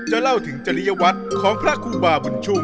เล่าถึงจริยวัตรของพระครูบาบุญชุ่ม